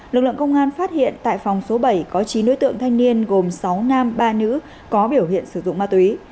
lực lượng công an phát hiện tại phòng số bảy có chín đối tượng thanh niên gồm sáu nam ba nữ có biểu hiện sử dụng ma túy